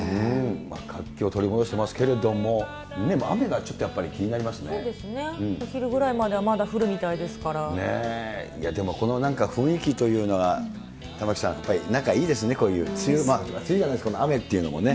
活気を取り戻してますけれども、雨がちょっと、やっぱり気になりそうですね、お昼ぐらいまでいやでも、このなんか雰囲気というのが、玉城さん、やっぱりなんかいいですね、梅雨、梅雨じゃないですけど、雨っていうのもね。